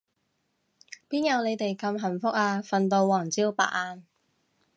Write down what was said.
邊有你哋咁幸福啊，瞓到黃朝白晏